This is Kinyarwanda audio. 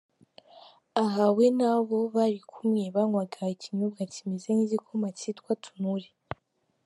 Aha we na bo bari kumwe banywaga ikinyobwa kimeze nk’igikoma cyitwa ‘Tunuri’.